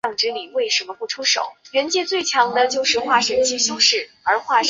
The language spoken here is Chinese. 但此段史料的真实性待考。